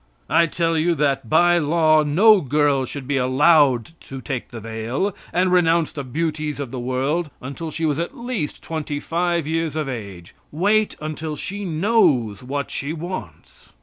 I tell you that, by law, no girl should be allowed to take the veil, and renounce the beauties of the world, until she was at least 25 years of age. Wait until she knows what she wants.